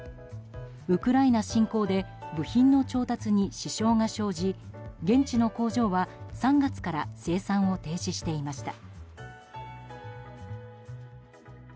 ウクライナ侵攻で部品の調達に支障が生じ現地の工場は、３月から生産を停止していました。